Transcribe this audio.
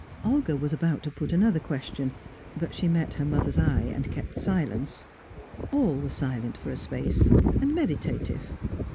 Olga was about to put another question, but she met her mother's eye, and kept silence. All were silent for a space, and meditative.